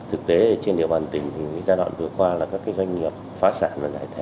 thực tế trên địa bàn tỉnh thì giai đoạn vừa qua là các doanh nghiệp phá sản và giải thể